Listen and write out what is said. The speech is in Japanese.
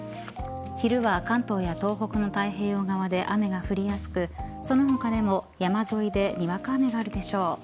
昼は関東や東北の太平洋側で雨が降りやすくその他でも山沿いでにわか雨があるでしょう。